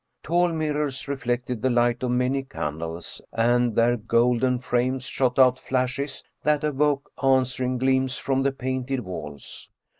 Tall mirrors reflected the light of many candles, and their golden frames 75 German Mystery Stories shot out flashes that awoke answering gleams from the painted walls.